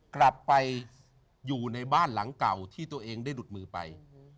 กลับไปอยู่ในบ้านหลังเก่าที่ตัวเองได้หลุดมือไป